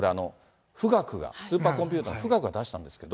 富岳が、スーパーコンピュータの富岳が出したんですけど。